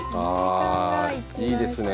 あいいですね。